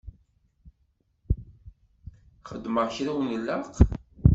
Xedmeɣ kra ur nlaq?